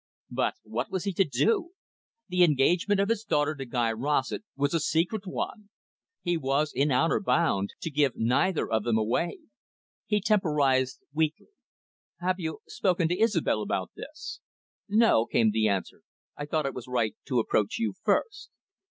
But what was he to do? The engagement of his daughter to Guy Rossett was a secret one. He was, in honour bound, to give neither of them away. He temporised weakly. "Have you spoken to Isobel about this?" "No," came the answer. "I thought it was right to approach you first."